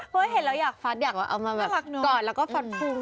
เห็นแล้วอยากฟัดอยากเอามาแบบกอดแล้วก็ฟันฟุ้ง